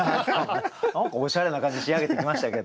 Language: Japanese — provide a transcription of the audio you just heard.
おしゃれな感じに仕上げてきましたけど。